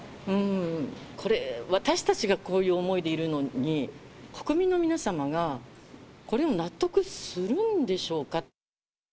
これは私たちがこういう思いでいるのに、国民の皆様がこれを納得するんでしょうか。